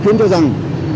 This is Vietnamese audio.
khiến cho rằng